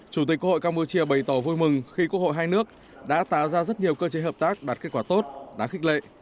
chủ tịch quốc hội campuchia bày tỏ vui mừng khi quốc hội hai nước đã tạo ra rất nhiều cơ chế hợp tác đạt kết quả tốt đáng khích lệ